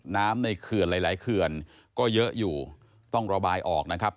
น้ำในเขื่อนหลายหลายเขื่อนก็เยอะอยู่ต้องระบายออกนะครับ